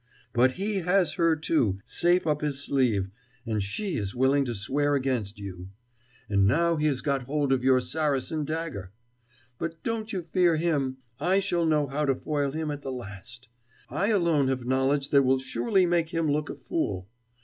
But he has her, too, safe up his sleeve, and she is willing to swear against you. And now he has got hold of your Saracen dagger. But don't you fear him: I shall know how to foil him at the last; I alone have knowledge that will surely make him look a fool.